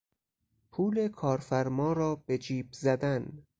پول کارفرما را به جیب زدن